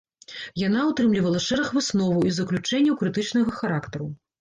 Яна утрымлівала шэраг высноваў і заключэнняў крытычнага характару.